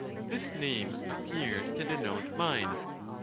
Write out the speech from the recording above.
This name appears to denote mind.